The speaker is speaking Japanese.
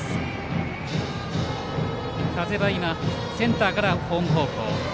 風が今センターからホーム方向。